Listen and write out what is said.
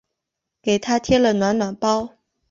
给她贴了暖暖包